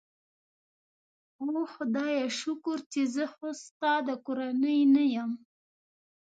اوه خدایه، شکر چې زه خو ستا د کورنۍ نه یم.